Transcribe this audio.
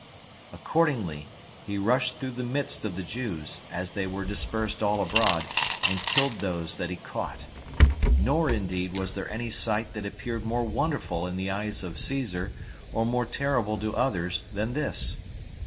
Accordingly, he rushed through the midst of the Jews, as they were dispersed all abroad, and killed those that he caught. Nor, indeed, was there any sight that appeared more wonderful in the eyes of Caesar, or more terrible to others, than this.